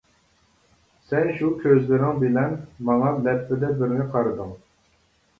سەن شۇ كۆزلىرىڭ بىلەن ماڭا لەپپىدە بىرنى قارىدىڭ.